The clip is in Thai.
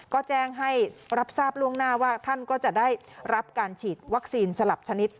ก็แจ้งให้รับทราบล่วงหน้าว่าท่านก็จะได้รับการฉีดวัคซีนสลับชนิด